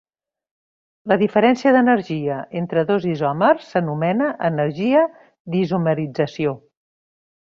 La diferència d'energia entre dos isòmers s'anomena "energia d'isomerització".